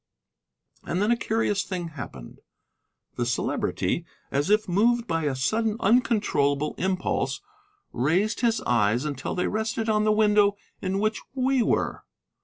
And then a curious thing happened. The Celebrity, as if moved by a sudden uncontrollable impulse, raised his eyes until they rested on the window in which we were.